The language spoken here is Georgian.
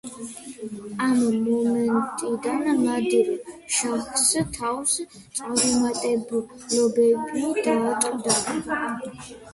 ამ მომენტიდან ნადირ-შაჰს თავს წარუმატებლობები დაატყდა.